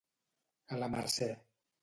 A la mercè.